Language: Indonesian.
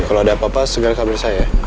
kalau ada apa apa segera kabur saya ya